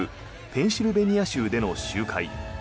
ペンシルベニア州での集会。